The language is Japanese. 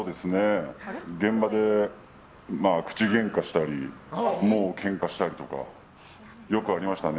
現場で口ゲンカしたりケンカしたりとかよくありましたね。